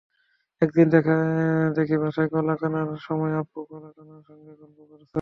একদিন দেখি বাসায় কলা কেনার সময় আব্বু কলাওয়ালার সঙ্গে গল্প করছেন।